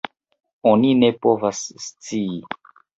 Oni ne povas scii.